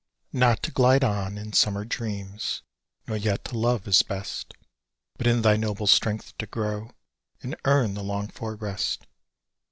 "Not to glide on in summer dreams, Nor yet to love, is best; But in thy noble strength to grow And earn the longed for rest!"